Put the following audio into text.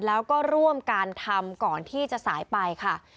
แล้วก็ร่วมการทำก่อนที่จะสายไปค่ะ